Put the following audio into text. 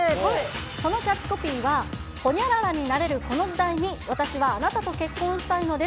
そのキャッチコピーは、ほにゃららになれる、この時代に私はあなたと結婚したいのです。